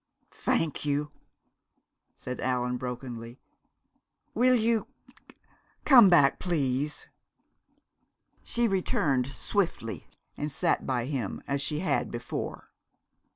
"Thank you," said Allan brokenly. "Will you come back, please?" She returned swiftly, and sat by him as she had before.